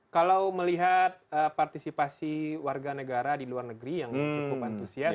kalau melihat partisipasi warga negara di luar negeri yang cukup antusias